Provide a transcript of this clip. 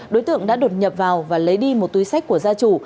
đối tượng đã đột nhập vào và lấy đi một túi sách của gia chủ